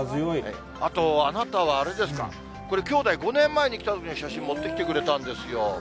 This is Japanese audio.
あと、あなたはあれですか、これ、きょうだい５年前に来たときの写真持ってきてくれたんですよ。